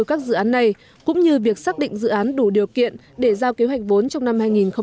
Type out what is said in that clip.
các dự án này cũng như việc xác định dự án đủ điều kiện để giao kế hoạch vốn trong năm hai nghìn hai mươi